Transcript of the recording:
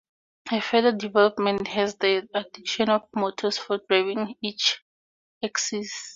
A further development was the addition of motors for driving each axis.